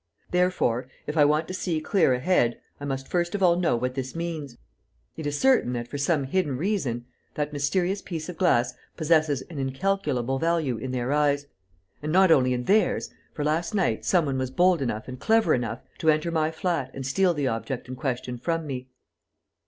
Therefore, if I want to see clear ahead, I must first of all know what this means. It is certain that, for some hidden reason, that mysterious piece of glass possesses an incalculable value in their eyes. And not only in theirs, for, last night, some one was bold enough and clever enough to enter my flat and steal the object in question from me."